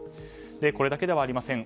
これだけではありません。